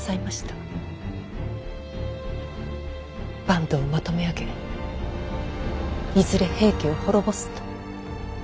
坂東をまとめ上げいずれ平家を滅ぼすと。